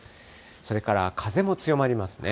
それから風も強まりますね。